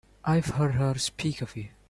I've heard her speak of you.